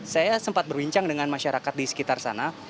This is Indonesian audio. saya sempat berbincang dengan masyarakat di sekitar sana